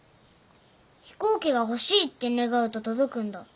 飛行機が欲しいって願うと届くんだ。